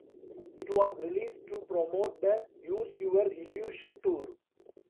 It was released to promote the Use Your Illusion Tour.